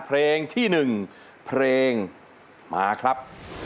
เพลงที่๑เพลงมาครับ